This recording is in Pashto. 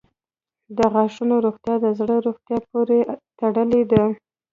• د غاښونو روغتیا د زړه روغتیا پورې تړلې ده.